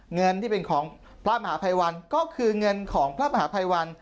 เงินที่เป็นของพระมหาภัยวันก็คือเงินของพระมหาภัยวัน